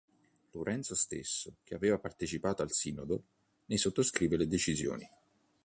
Lorenzo stesso, che aveva partecipato al sinodo, ne sottoscrisse le decisioni.